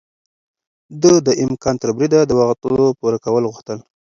ده د امکان تر بريده د وعدو پوره کول غوښتل.